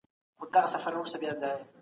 آزاد پښتونستان